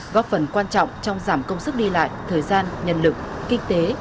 góp phần quan trọng trong giảm công sức đi lại thời gian nhân lực kinh tế